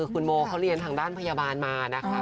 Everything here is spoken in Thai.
คุณโมเขาเรียนทางด้านพยาบาลมานะคะ